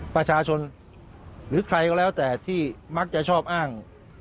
ประชาชนหรือใครก็แล้วแต่ที่มักจะชอบอ้าง